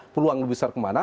peluang besar kemana